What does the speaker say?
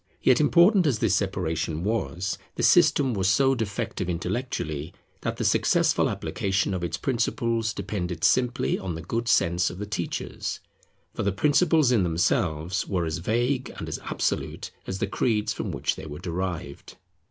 Yet important as this separation was, the system was so defective intellectually, that the successful application of its principles depended simply on the good sense of the teachers; for the principles in themselves were as vague and as absolute as the creeds from which they were derived.